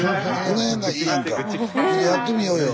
「やってみようよ」